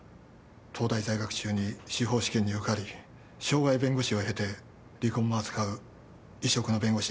東大在学中に司法試験に受かり渉外弁護士をへて離婚も扱う異色の弁護士になったとか。